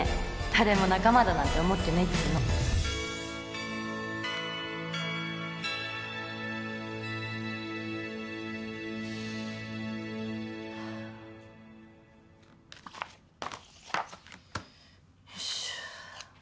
誰も仲間だなんて思ってないっつうのよし。